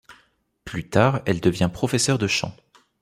Plus tard, elle devient professeure de chant.